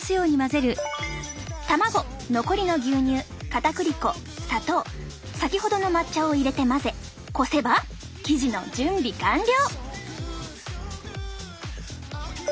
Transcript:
卵残りの牛乳かたくり粉砂糖先ほどの抹茶を入れて混ぜこせば生地の準備完了。